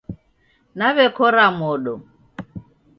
Nawekora modo